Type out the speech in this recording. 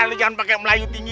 ah lu jangan pakai melayu tinggi